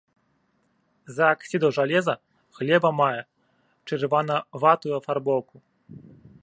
З-за аксідаў жалеза глеба мае чырванаватую афарбоўку.